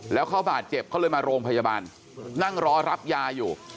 แล้วเขาบาดเจ็บเขาเลยมาโรงพยาบาลนั่งรอรับยาอยู่